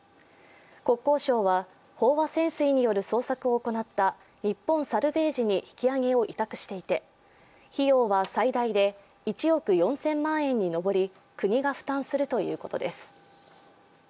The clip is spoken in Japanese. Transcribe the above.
国交省は飽和潜水による捜索を行った日本サルヴェージに引き揚げを委託していて費用は最大で１億４０００万円に上り、国が負担するということです。